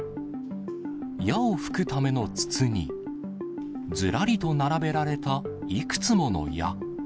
矢を吹くための筒に、ずらりと並べられたいくつもの矢。